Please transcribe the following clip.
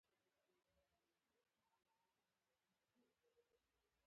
له دغه تور څخه هر پښتون جرګه مار او سپين ږيري ډډه کوي.